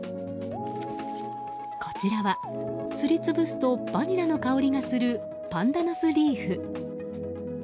こちらはすり潰すとバニラの香りがするパンダナスリーフ。